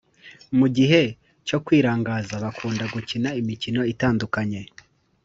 Mu gihe cyo kwirangaza bakunda gukina imikino itandukanye.